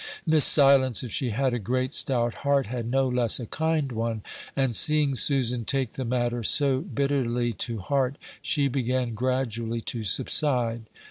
Miss Silence, if she had a great stout heart, had no less a kind one, and seeing Susan take the matter so bitterly to heart, she began gradually to subside.